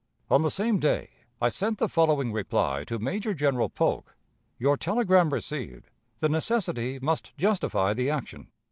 On the same day I sent the following reply to Major General Polk: "Your telegram received; the necessity must justify the action."